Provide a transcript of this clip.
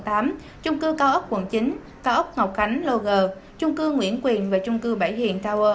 trung cư cao ốc quận chín cao ốc ngọc khánh loger trung cư nguyễn quyền và trung cư bảy hiền tower